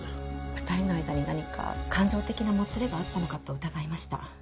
２人の間に何か感情的なもつれがあったのかと疑いました。